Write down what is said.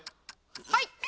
はい。